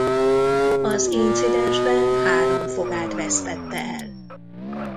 Az incidensben három fogát vesztette el.